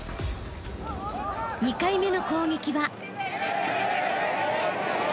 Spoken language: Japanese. ［２回目の攻撃は］